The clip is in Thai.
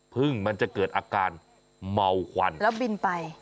มันจะเกิดอาการเมาควันแล้วบินไป